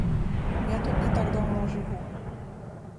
Я тут не так даўно жыву.